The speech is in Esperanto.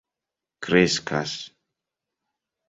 kreskas